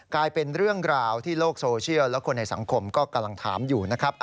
กลายเป็นเรื่องราวที่โลกโซเชียลและคนในสังคมก็กำลังถามอยู่นะครับ